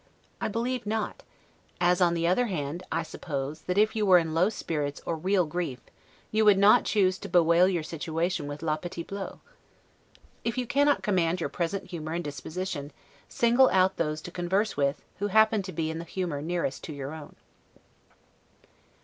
I believe not; as, on the other hand, I suppose, that if you were in low spirits or real grief, you would not choose to bewail your situation with 'la petite Blot'. If you cannot command your present humor and disposition, single out those to converse with, who happen to be in the humor the nearest to your own.